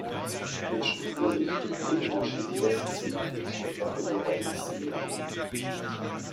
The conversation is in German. Mit Studiolicht und Nebelmaschinen lässt es sich viel spektakulärer inszenieren.